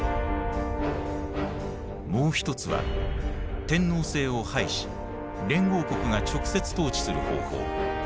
もう一つは天皇制を廃し連合国が直接統治する方法。